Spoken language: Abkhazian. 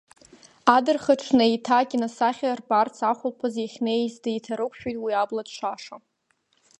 Адырхаҽны, еиҭа акиносахьа рбарц ахәылԥаз иахьнеиз деиҭарықәшәеит уи абла ҭшаша.